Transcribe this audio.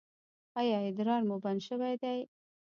ایا ادرار مو بند شوی دی؟